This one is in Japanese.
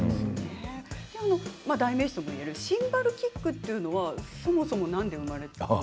代名詞ともいえるシンバルキックというのはそもそも何で生まれたんですか。